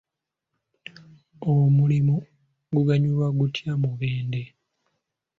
Omulimu guganyula gutya Mubende?